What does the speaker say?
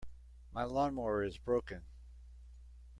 My lawn-mower is broken.